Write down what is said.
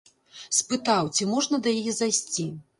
Спытаў, ці можна да яе зайсці.